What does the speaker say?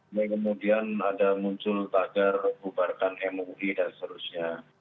kemudian ada muncul pagar bubarkan mui dan seterusnya